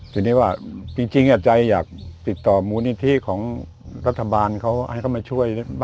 จริงจริงจะใจติดต่อบนแรทธาบาลให้เขามาช่วย